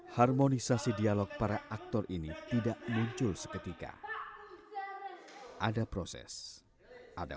harmonisasi dialog para aktor ini tidak muncul seketika ada proses ada